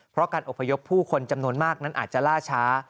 เพราะการอบพยพผู้คนจำนวนมากนั้นอาจจะล่าช้า